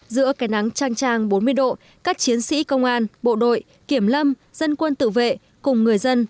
giữa cái nắng trang trang bốn mươi độ các chiến sĩ công an bộ đội kiểm lâm dân quân tự vệ cùng người dân